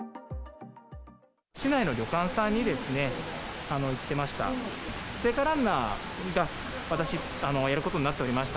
市内の旅館さんにですね、行ってました。